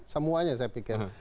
semuanya saya pikir